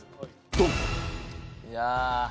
ドン！